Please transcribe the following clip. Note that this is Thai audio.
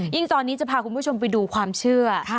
ตอนนี้จะพาคุณผู้ชมไปดูความเชื่อ